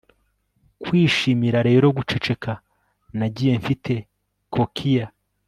kwishimira rero guceceka nagiye mfite kokiya